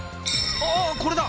ああーこれだ！